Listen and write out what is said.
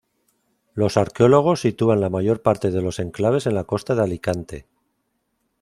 Los arqueólogos sitúan la mayor parte de los enclaves en la costa de Alicante.